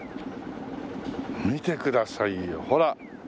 見てくださいよほら！